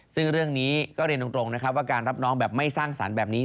ซึ่งเรื่องนี้ก็เรียนตรงนะครับว่าการรับน้องแบบไม่สร้างสรรค์แบบนี้